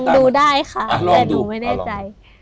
ดูได้ค่ะแต่หนูไม่แน่ใจ